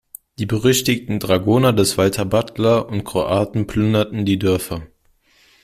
Die berüchtigten Dragoner des Walter Butler und Kroaten plünderten die Dörfer.